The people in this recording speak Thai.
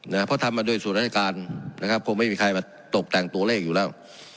เพราะทำมาโดยส่วนราชการนะครับคงไม่มีใครมาตกแต่งตัวเลขอยู่แล้ว